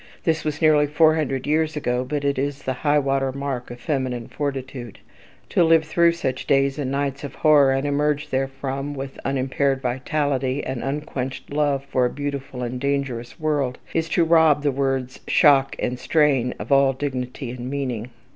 This was nearly four hundred years ago, but it is the high water mark of feminine fortitude. To live through such days and nights of horror, and emerge therefrom with unimpaired vitality, and unquenched love for a beautiful and dangerous world, is to rob the words "shock" and "strain" of all dignity and meaning.